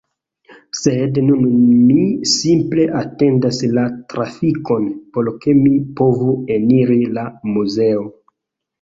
Sed nun mi simple atendas la trafikon por ke mi povu eniri la muzeo